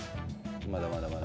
まだまだまだ。